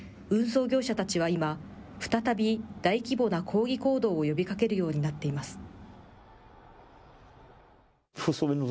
運送業者たちは今、再び、大規模な抗議行動を呼びかけるようになっています。